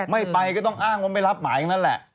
ไม่ไปก็ต้องอ้างว่าไม่รับหมายทั้งนั้นแหละ